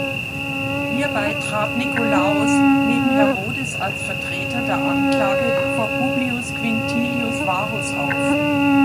Hierbei trat Nikolaos neben Herodes als Vertreter der Anklage vor Publius Quinctilius Varus auf.